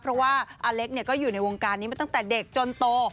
เพราะว่าอเล็กก็อยู่ในวงการนี้มาตั้งแต่เด็กจนโต